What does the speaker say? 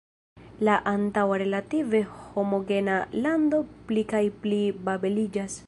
La antaŭa relative homogena lando pli kaj pli babeliĝas.